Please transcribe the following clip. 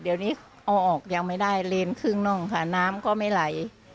เดี๋ยวนี้เอาออกยังไม่ได้เลนครึ่งน่องค่ะน้ำก็ไม่ไหล